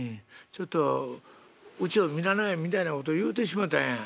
ちょっと『うちを見習え』みたいなこと言うてしもたんや。